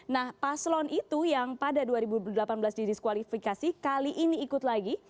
nah paslon itu yang pada dua ribu delapan belas didiskualifikasi kali ini ikut lagi